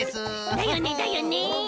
だよねだよね。